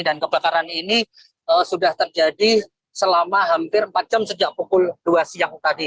dan kebakaran ini sudah terjadi selama hampir empat jam sejak pukul dua siang tadi